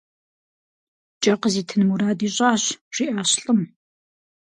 Кӏэ къызитын мурад ищӏащ, - жиӏащ лӏым.